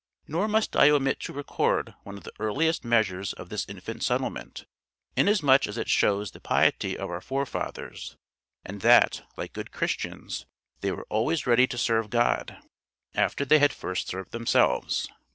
Nor must I omit to record one of the earliest measures of this infant settlement, inasmuch as it shows the piety of our forefathers, and that, like good Christians, they were always ready to serve God, after they had first served themselves.